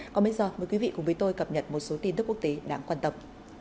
còn bây giờ mời quý vị cùng với tôi cập nhật một số tin tức quốc tế đáng quan tâm